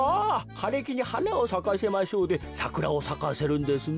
「かれきにはなをさかせましょう」でサクラをさかせるんですね。